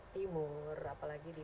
timur apalagi di